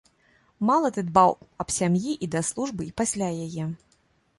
Мала ты дбаў аб сям'і і да службы і пасля яе.